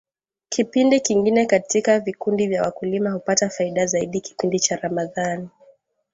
kipindi kingine katika Vikundi vya wakulima hupata faida Zaidi kipindi cha ramadhani